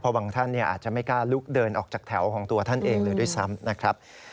บางท่านอาจจะไม่กล้าลุกเดินออกจากแถวของตัวท่านเองเลยด้วยซ้ำนะครับ